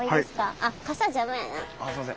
あすいません。